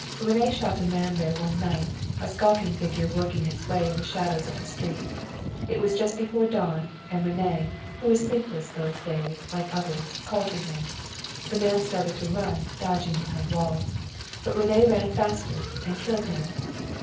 René shot a man there one night, a skulking figure working its way in the shadows up the street. It was just before dawn, and René, who was sleepless those days, like the others, called to him. The man started to run, dodging behind walls. But René ran faster and killed him.